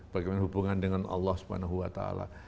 bagaimana hubungan dengan allah subhanahu wa ta'ala